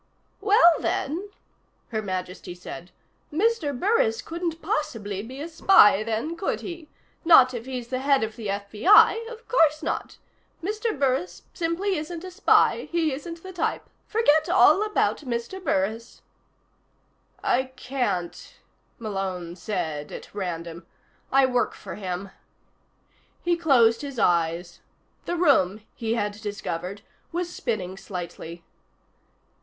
"Well, then," Her Majesty said, "Mr. Burris couldn't possibly be a spy, then, could he? Not if he's the head of the FBI. Of course not. Mr. Burris simply isn't a spy. He isn't the type. Forget all about Mr. Burris." "I can't," Malone said at random. "I work for him." He closed his eyes. The room, he had discovered, was spinning slightly.